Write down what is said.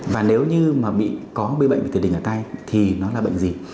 và nếu như mà bị có bệnh tiền đình ở tay thì nó là bệnh gì